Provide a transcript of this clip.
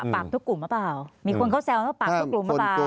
ปากทุกกลุ่มหรือเปล่ามีคนเขาแซวนะปากทุกกลุ่มหรือเปล่า